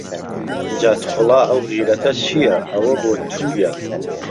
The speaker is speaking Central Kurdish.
جا توخڵا ئهو غیرهته چییه ئهوه بۆ تویە